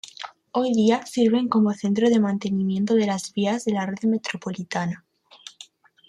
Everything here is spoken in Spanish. Hoy día sirven como centro de mantenimiento de las vías de la red metropolitana.